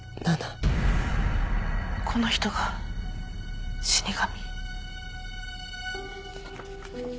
この人が死神。